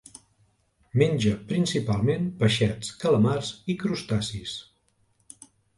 Menja principalment peixets, calamars i crustacis.